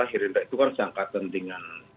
herendra itu kan seangkatan dengan